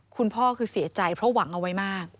คุณพ่อคือเสียใจเพราะหวังเอาไว้มาก